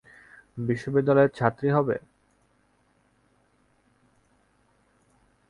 বিশ্ববিদ্যালয়ের ছাত্রী হবে।